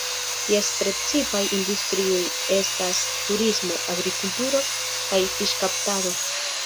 Ties precipaj industrioj estas turismo, agrikulturo, kaj fiŝkaptado.